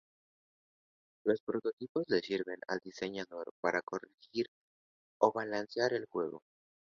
Los prototipos le sirven al diseñador para corregir o balancear el juego.